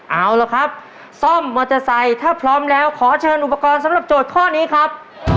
เอาละครับซ่อมมอเตอร์ไซค์ถ้าพร้อมแล้วขอเชิญอุปกรณ์สำหรับโจทย์ข้อนี้ครับ